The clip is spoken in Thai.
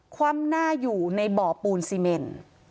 คว่ำหน้าอยู่ในบ่อปูนซีเมน